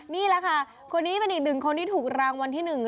นี่แหละค่ะคนนี้เป็นอีกหนึ่งคนที่ถูกรางวัลที่หนึ่ง